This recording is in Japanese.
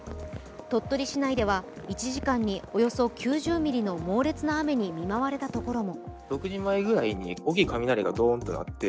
鳥取市内では１時間におよそ９０ミリの猛烈な雨に見舞われたところも。